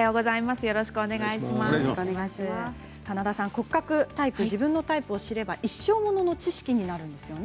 骨格タイプ、自分のタイプを知れば一生ものの知識になるんですよね。